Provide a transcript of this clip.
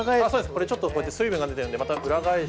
これちょっと水分が出てるんでまた裏返して。